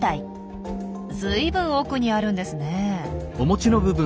ずいぶん奥にあるんですねえ。